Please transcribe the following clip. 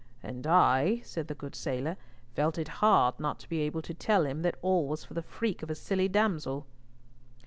"And I," said the good sailor, "felt it hard not to be able to tell him that all was for the freak of a silly damsel."